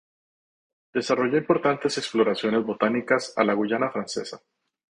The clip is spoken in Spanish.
Desarrolló importantes exploraciones botánicas a la Guyana Francesa